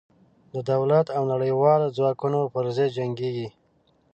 د دولت او نړېوالو ځواکونو پر ضد جنګېږي.